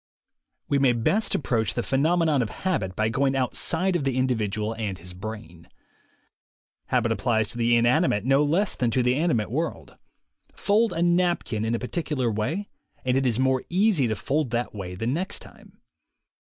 We may best approach the phenomenon of habit by going outside of the individual and his brain. Habit applies to the inanimate no less than to the animate world. Fold a napkin in a particular way and it is more easy to fold that way the next time.